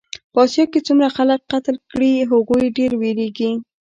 په اسیا کې څومره خلک قتل کړې هغوی ډېر وېرېږي.